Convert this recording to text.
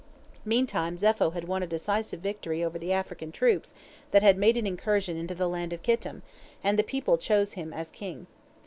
Meantime Zepho had won a decisive victory over the African troops that had made an incursion into the land of Kittim, and the people chose him as king.